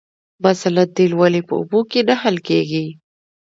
مثلاً تیل ولې په اوبو کې نه حل کیږي